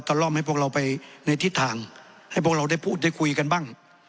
ล่อมให้พวกเราไปในทิศทางให้พวกเราได้พูดได้คุยกันบ้าง